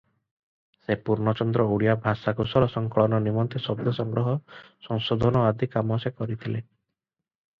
ସେ ପୂର୍ଣ୍ଣଚନ୍ଦ୍ର ଓଡ଼ିଆ ଭାଷାକୋଷର ସଂକଳନ ନିମନ୍ତେ ଶବ୍ଦସଂଗ୍ରହ, ସଂଶୋଧନ ଆଦି କାମ ସେ କରିଥିଲେ ।